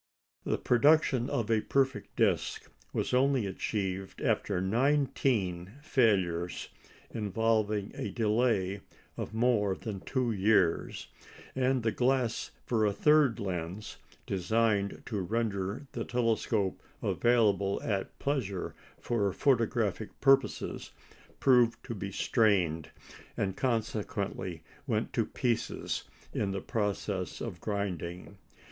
The production of a perfect disc was only achieved after nineteen failures, involving a delay of more than two years; and the glass for a third lens, designed to render the telescope available at pleasure for photographic purposes, proved to be strained, and consequently went to pieces in the process of grinding.